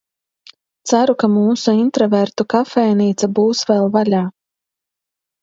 Ceru, ka mūsu intravertu kafejnīca būs vēl vaļā.